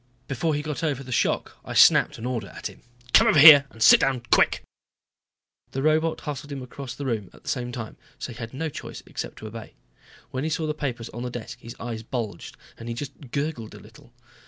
Before he got over the shock I snapped an order at him. "Come over here and sit down, quick!" The robot hustled him across the room at the same time, so he had no choice except to obey. When he saw the papers on the desk his eyes bulged and he just gurgled a little.